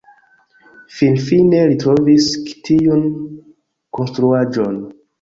Finfine li trovis tiun konstruaĵon.